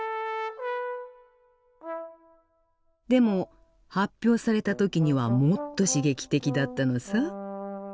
でも発表された時にはもっと刺激的だったのさ。